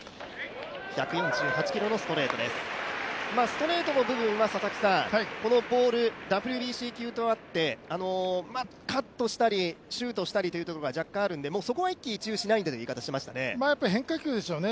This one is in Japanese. ストレートの部分はこのボール、ＷＢＣ球とあって、カットしたりシュートしたりというところが若干あるので、そこは一喜一憂しないという言い方していましたよね。